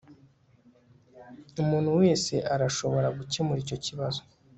umuntu wese arashobora gukemura icyo kibazo